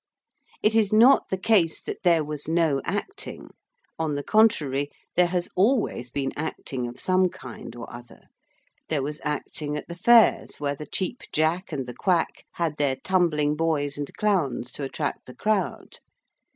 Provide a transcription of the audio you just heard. It is not the case that there was no acting. On the contrary, there has always been acting of some kind or other. There was acting at the fairs, where the Cheap Jack and the Quack had their tumbling boys and clowns to attract the crowd.